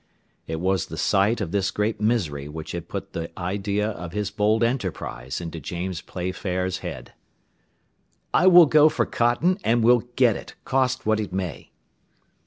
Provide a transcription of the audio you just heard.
It was the sight of this great misery which had put the idea of his bold enterprise into James Playfair's head. "I will go for cotton, and will get it, cost what it may."